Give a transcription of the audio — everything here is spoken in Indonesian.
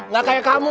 nggak kayak kamu